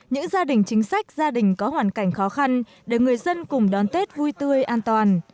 những gia đình chính sách gia đình có hoàn cảnh khó khăn để người dân cùng đón tết vui tươi an toàn